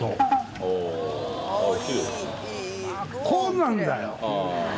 こうなんだよ！